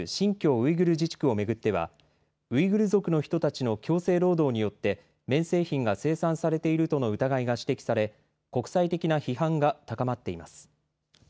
ウイグル自治区を巡ってはウイグル族の人たちの強制労働によって綿製品が生産されているとの疑いが指摘され国際的な批判が高まっています。